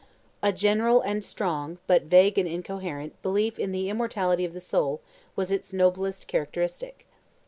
A general and strong, but vague and incoherent, belief in the immortality of the soul was its noblest characteristic.